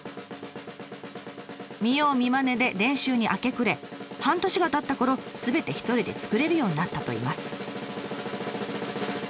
見よう見まねで練習に明け暮れ半年がたったころすべて一人で作れるようになったといいます。